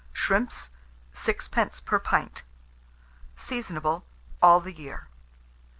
shrimps, 6d. per pint. Seasonable all the year.